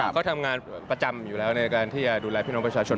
เขาทำงานประจำอยู่แล้วในการที่จะดูแลพี่น้องประชาชน